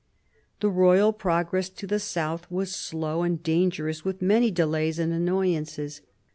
The royal progress to the south was slow and dangerous, with many delays and annoyances.